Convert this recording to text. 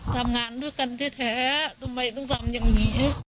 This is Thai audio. ทำงานด้วยกันแท้ทำไมต้องทำอย่างนี้